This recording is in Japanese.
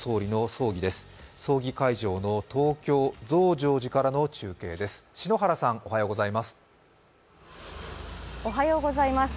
葬儀会場の東京・増上寺からの中継です。